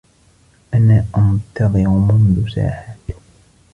أنا أنتظر منذ ساعات.